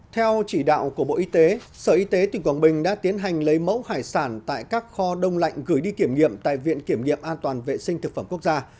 theo chỉ đạo của bộ y tế sở y tế tỉnh quảng bình đã tiến hành lấy mẫu hải sản tại các kho đông lạnh gửi đi kiểm nghiệm tại viện kiểm nghiệm an toàn vệ sinh thực phẩm quốc gia